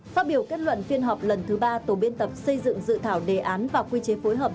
phát biểu kết luận phiên họp lần thứ ba tổ biên tập xây dựng dự thảo đề án và quy chế phối hợp